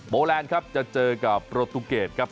แลนด์ครับจะเจอกับโปรตูเกตครับ